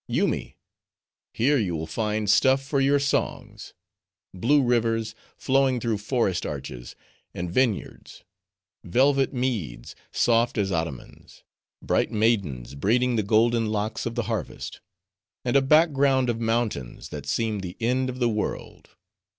"Yoomy! here you will find stuff for your songs:—blue rivers flowing through forest arches, and vineyards; velvet meads, soft as ottomans: bright maidens braiding the golden locks of the harvest; and a background of mountains, that seem the end of the world.